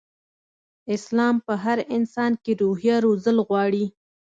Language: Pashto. اسلام په هر انسان کې روحيه روزل غواړي.